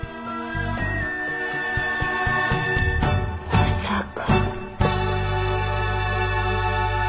まさか。